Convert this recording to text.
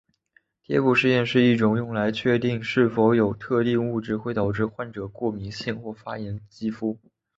贴布试验是一种用来确定是否有特定物质会导致患者过敏性或发炎肌肤。